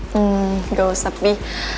hmm nggak usah pi